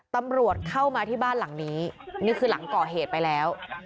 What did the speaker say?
ตำรวจเข้ามาที่บ้านหลังนี้นี่คือหลังก่อเหตุไปแล้ว